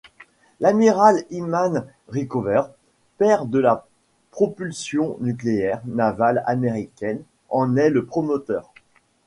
L'amiral Hyman Rickover, père de la propulsion nucléaire navale américaine, en est le promoteur.